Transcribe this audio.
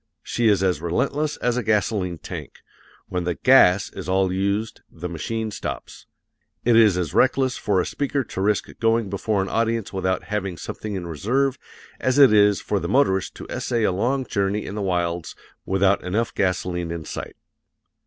She is as relentless as a gasoline tank when the "gas" is all used the machine stops. It is as reckless for a speaker to risk going before an audience without having something in reserve as it is for the motorist to essay a long journey in the wilds without enough gasoline in sight.